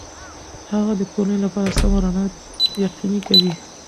هغه د کورنۍ لپاره سمه رڼا یقیني کوي.